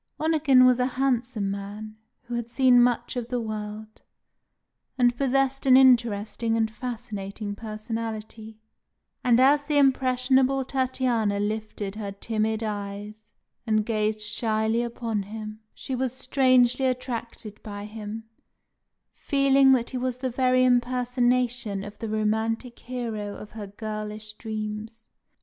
Onegin was a handsome man, who had seen much of the world, and possessed an interesting and fascinating personality; and as the impressionable Tatiana lifted her timid eyes and gazed shyly upon him, she was strangely attracted by him, feeling that he was the very impersonation of the romantic hero of her girlish dreams.